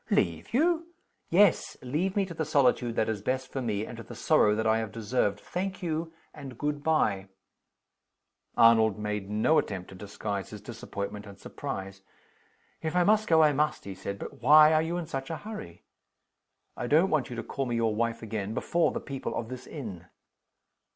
"Leave you!" "Yes. Leave me to the solitude that is best for me, and to the sorrow that I have deserved. Thank you and good by." Arnold made no attempt to disguise his disappointment and surprise. "If I must go, I must," he said, "But why are you in such a hurry?" "I don't want you to call me your wife again before the people of this inn."